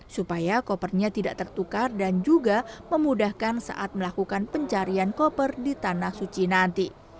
supaya kopernya tidak tertukar dan juga memudahkan saat melakukan pencarian koper di tanah suci nanti